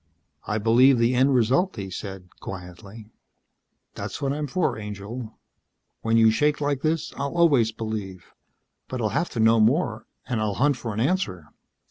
"I believe the end result," he said, quietly. "That's what I'm for, angel. When you shake like this I'll always believe. But I'll have to know more. And I'll hunt for an answer."